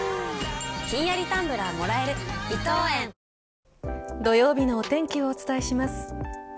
はぁ土曜日のお天気をお伝えします。